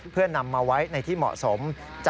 เพื่อนำมาไว้ในที่เหมาะสม